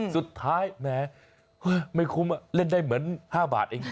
แหมไม่คุ้มเล่นได้เหมือน๕บาทเอง